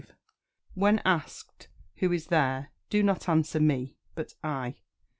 When asked "Who is there?" do not answer "Me," but "I." 46.